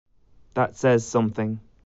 That says something.